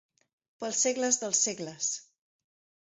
Pels segles dels segles.